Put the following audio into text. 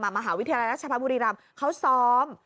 มหาวิทยาลัยราชพบุรีรำเขาซ้อม